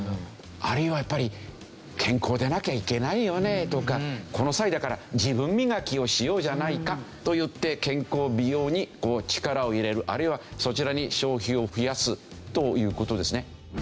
あるいはやっぱり健康でなきゃいけないよねとかこの際だから自分磨きをしようじゃないかといって健康・美容に力を入れるあるいはそちらに消費を増やすという事ですね。